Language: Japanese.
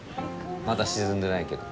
まだ沈んでないけど。